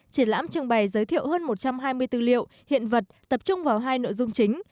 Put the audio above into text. triển lãm trưng bày giới thiệu hơn một trăm hai mươi tư liệu hiện vật tập trung vào hai nội dung chính